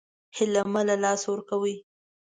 هیله مه له لاسه ورکوئ